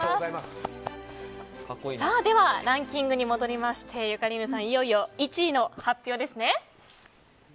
では、ランキングに戻りましてゆかりーぬさんいよいよ１位の発表ですね。